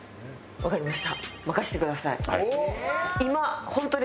わかりました。